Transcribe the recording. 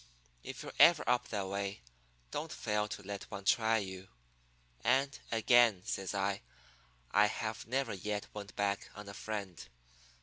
If you're ever up that way, don't fail to let one try you. And, again,' says I, 'I have never yet went back on a friend.